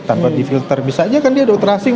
tanpa di filter bisa aja kan dia dokter asing